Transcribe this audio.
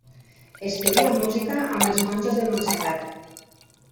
Estudià música amb els monjos de Montserrat.